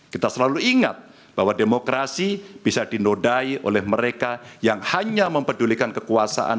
kita selalu ingat bahwa demokrasi bisa dinodai oleh mereka yang hanya mempedulikan kekuasaan